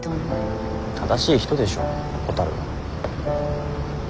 正しい人でしょほたるは。